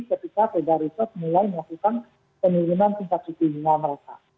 ketika pgr reset mulai melakukan penurunan pingsat suku lima mereka